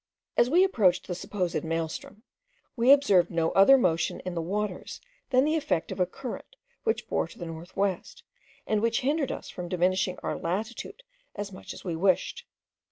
As we approached the supposed Maal stroom, we observed no other motion in the waters than the effect of a current which bore to the north west, and which hindered us from diminishing our latitude as much as we wished.